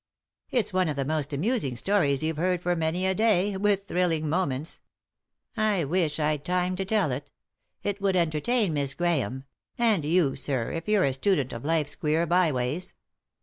It's one of the most amusing Stories you've heard for many a day — with thrilling moments 1 I wish I'd time to tell it It would enter tain Miss Graliame — and you, sir, if you're a student of life's queer by ways.